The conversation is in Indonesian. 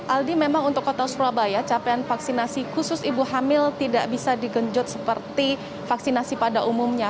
aldi memang untuk kota surabaya capaian vaksinasi khusus ibu hamil tidak bisa digenjot seperti vaksinasi pada umumnya